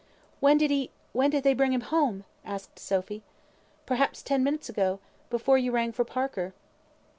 "When did he when did they bring him home?" asked Sophy. "Perhaps ten minutes ago. Before you rang for Parker."